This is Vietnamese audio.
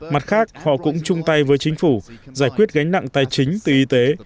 mặt khác họ cũng chung tay với chính phủ giải quyết gánh nặng tài chính từ y tế